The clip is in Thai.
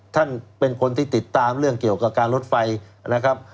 ท่านเป็นคนที่ติดตามเรื่องเกี่ยวกับการลดไฟนะครับ